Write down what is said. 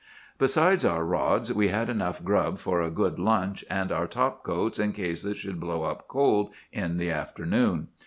"Besides our rods, we had enough grub for a good lunch, and our top coats in case it should blow up cold in the afternoon.